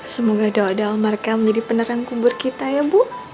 semoga doa dalmar kamu jadi penerang kubur kita ya bu